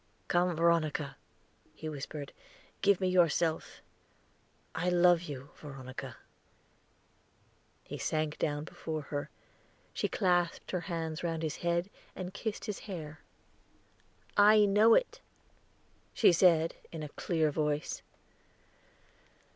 "Come Veronica," he whispered, "give me yourself. I love you, Veronica." He sank down before her; she clasped her hands round his head, and kissed his hair. "I know it," she said, in a clear voice.